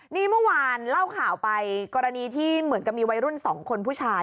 นี่เมื่อวานเล่าข่าวไปกรณีที่เหมือนกับมีวัยรุ่น๒คนผู้ชาย